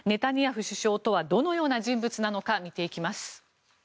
ネタニヤフ首相とはどのような人物なのか